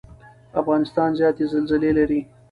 افغانستان زیاتې زلزلې لري.